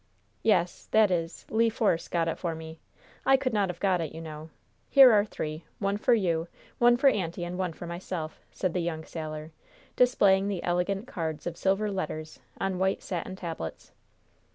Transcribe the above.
"Yes that is, Le Force got it for me. I could not have got it, you know. Here are three one for you, one for auntie, and one for myself," said the young sailor, displaying the elegant cards of silver letters on white satin tablets.